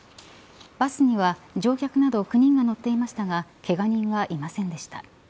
バスには乗客など９人が乗っていましたがけが人はいませんでした。